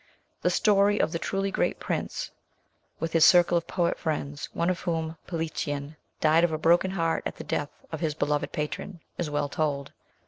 The story of the truly great prince with his circle of poet friends, one of whom, Politian, died of a broken heart at the death of his beloved patron, is well told.